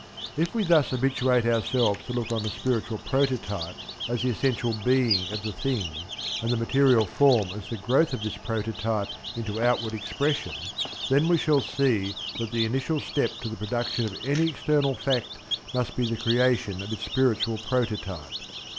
If we thus habituate ourselves to look on the spiritual prototype as the essential being of the thing, and the material form as the growth of this prototype into outward expression, then we shall see that the initial step to the production of any external fact must be the creation of its spiritual prototype.